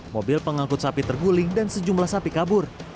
mobil pengangkut sapi terguling dan sejumlah sapi kabur